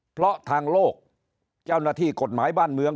เพราะทางโลกเจ้าหน้าที่กฎหมายบ้านเมือง